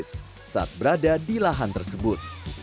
secara gratis saat berada di lahan tersebut